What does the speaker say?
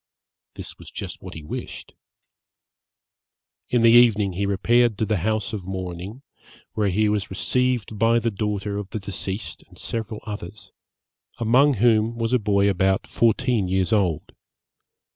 This was just what he wished. In the evening he repaired to the house of mourning, where he was received by the daughter of the deceased and several others, among whom was a boy about fourteen years old.